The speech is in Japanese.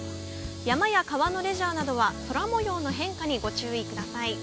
山や川のレジャーなどは空模様の変化にご注意ください。